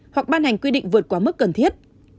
hoặc ban hành quy định vượt quá mức cần thiết